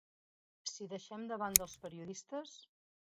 Si deixem de banda els periodistes